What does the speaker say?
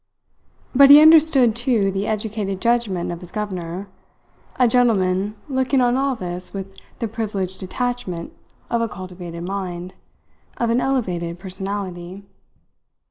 But he understood too the educated judgement of his governor, a gentleman looking on all this with the privileged detachment of a cultivated mind, of an elevated personality.